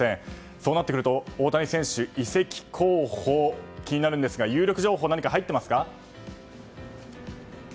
そうなってくると大谷選手の移籍候補気になるんですが有力情報、入っていますか？